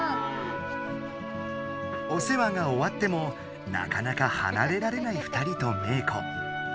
お世話が終わってもなかなかはなれられない２人とメー子。